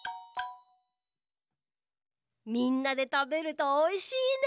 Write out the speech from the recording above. みんなでたべるとおいしいね。